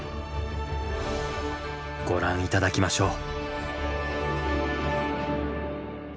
ご覧頂きましょう。